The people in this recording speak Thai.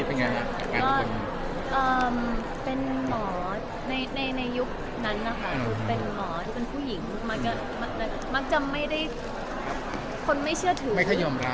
เป็นหมอในปีนั้นหรือผู้หญิง